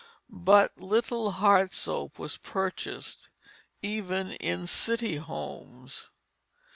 But little hard soap was purchased, even in city homes.